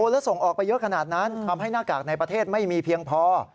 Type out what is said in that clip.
แล้วส่งออกไปเยอะขนาดนั้นทำให้หน้ากากในประเทศไม่มีเพียงพอ